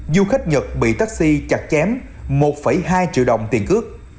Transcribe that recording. du khách nhật bị taxi chặt chém một hai triệu đồng tiền cước